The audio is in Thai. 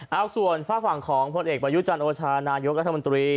เอาส่วนฝากฝั่งของพลเอกประยุจันทร์โอชานายกรัฐมนตรี